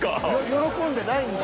喜んでないんだ。